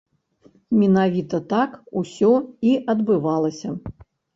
Менавіта так усё і адбывалася.